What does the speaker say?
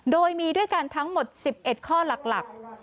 โดยมีด้วยกันทั้งหมด๑๑ข้อหลัก